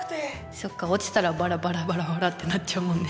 そっか落ちたらバラバラバラバラってなっちゃうもんね。